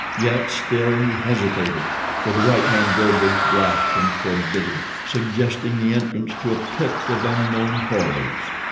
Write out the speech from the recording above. Yet still he hesitated, for the right hand road was black and forbidding; suggesting the entrance to a pit of unknown horrors.